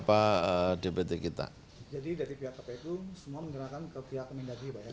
jadi dari pihak ktp itu semua menggerakkan ke pihak kementerian dalam negeri